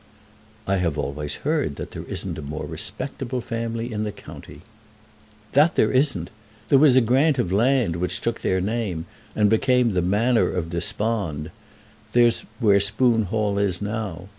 "I have always heard that there isn't a more respectable family in the county." "That there isn't. There was a grant of land, which took their name, and became the Manor of Despond; there's where Spoon Hall is now.